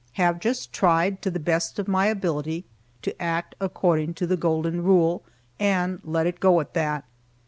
Have just tried, to the best of my ability, to act according to the Golden Rule, and let it go at that.